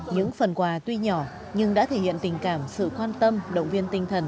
những phần quà tuy nhỏ nhưng đã thể hiện tình cảm sự quan tâm động viên tinh thần